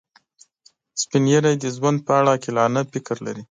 سپین ږیری د ژوند په اړه عاقلانه فکر لري